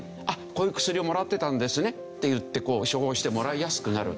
こういう薬をもらってたんですねっていって処方してもらいやすくなる。